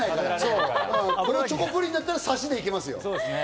これはチョコプリンだったら刺しでいけますよ。